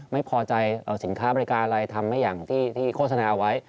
ไม่พอใจสินค้าบริการอะไรทำให้อย่างที่โฆษณาเอาไว้